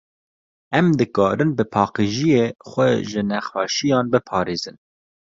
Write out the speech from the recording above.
Em dikarin bi paqijiyê, xwe ji nexweşiyan biparêzin.